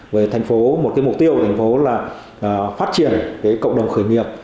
về thành phố một cái mục tiêu của thành phố là phát triển cái cộng đồng khởi nghiệp